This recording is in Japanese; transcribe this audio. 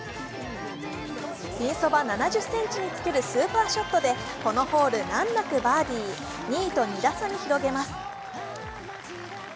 ピンそば７０ｃｍにつけるスーパーショットでこのホール難なくバーディー、２位と２打差に広げます。